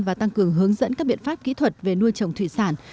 và tăng cường hướng dẫn các biện pháp kỹ thuật về nuôi trồng thủy sản